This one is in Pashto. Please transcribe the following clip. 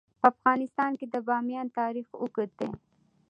په افغانستان کې د بامیان تاریخ اوږد دی.